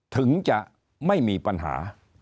ถึงจะไม่มีปัญหา